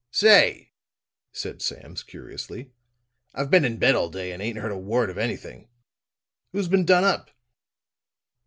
"Say," said Sam curiously, "I've been in bed all day and ain't heard a word of anything. Who's been done up?"